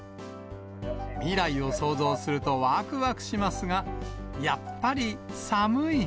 未来を想像するとわくわくしますが、やっぱり寒い。